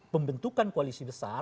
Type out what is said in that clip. pembentukan koalisi besar